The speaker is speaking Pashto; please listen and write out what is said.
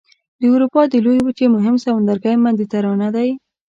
د اروپا د لویې وچې مهم سمندرګی مدیترانه دی.